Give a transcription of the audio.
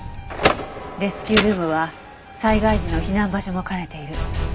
レスキュールームは災害時の避難場所も兼ねている。